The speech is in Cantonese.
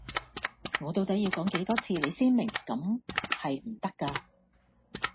我到底要講幾多次你先明咁係唔得架